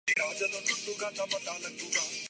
زکوۃ کی ادئیگی نیکی کی تلقین اور برائی سے روکنا